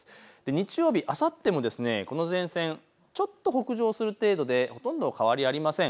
日曜日、あさってもこの前線ちょっと北上する程度でほとんど変わりありません。